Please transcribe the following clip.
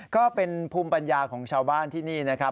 ก็เป็นภูมิปัญญาของชาวบ้านที่นี่นะครับ